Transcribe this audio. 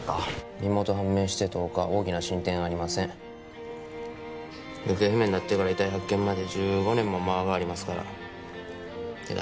身元判明して１０日大きな進展ありません行方不明になってから遺体発見まで１５年も間がありますからてか